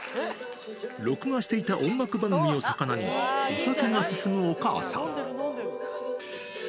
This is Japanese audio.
録画していた音楽番組をさかなに、お酒が進むお母さん。